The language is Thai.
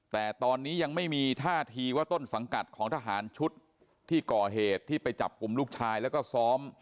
แต่ตอนนี้ยังไม่มีท่าทีว่าต้นสังกัดของทหารชุดที่ก่อเหตุที่ไปจับกลุ่มลูกชายแล้วก็ซ้อม